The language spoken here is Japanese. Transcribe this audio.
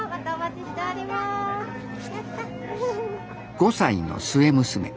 ５歳の末娘